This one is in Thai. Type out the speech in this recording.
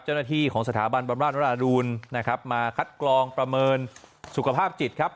เจ้าหน้าที่ของสถาบันบำราชวราดูลนะครับมาคัดกรองประเมินสุขภาพจิตครับ